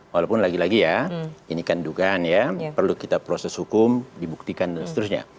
walaupun lagi lagi ya ini kan dugaan ya perlu kita proses hukum dibuktikan dan seterusnya